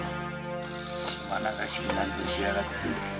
島流しになんぞしやがって。